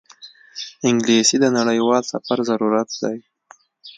انګلیسي د نړیوال سفر ضرورت دی